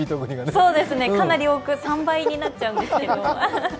そうですね、かなり多く３倍になっちゃうんですけど。